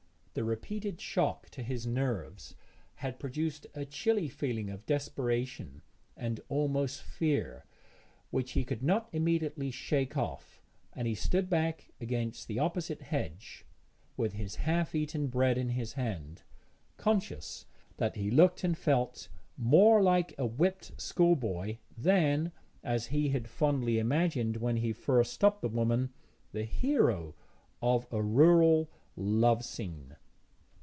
The repeated shock to his nerves had produced a chilly feeling of depression and almost fear, which he could not immediately shake off, and he stood back against the opposite hedge, with his half eaten bread in his hand, conscious that he looked and felt more like a whipped schoolboy than, as he had fondly imagined when he first stopped the woman, the hero of a rural love scene.